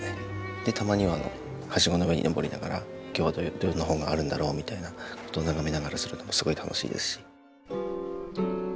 でたまにははしごの上に上りながら今日はどういう本があるんだろうみたいな事を眺めながらするのもすごい楽しいですし。